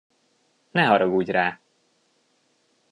Ne haragudj rá!